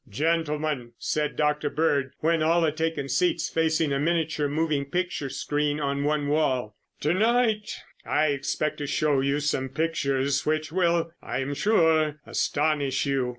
"Gentlemen," said Dr. Bird when all had taken seats facing a miniature moving picture screen on one wall, "to night I expect to show you some pictures which will, I am sure, astonish you.